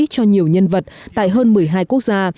cho nhiều nhân vật tại hơn một mươi hai quốc gia